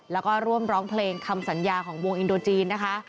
แล้วก็ร่วมร้องเพลงคำสัญญาของวงอินโดจีนนะคะ